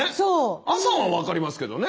「朝」は分かりますけどね。